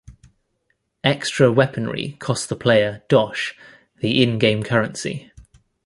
Extra weaponry costs the player "dosh", the in-game currency.